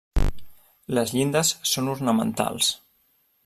Les llindes són ornamentals.